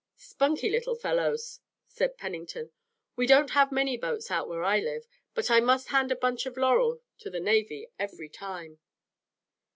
"Spunky little fellows," said Pennington. "We don't have many boats out where I live, but I must hand a bunch of laurel to the navy every time."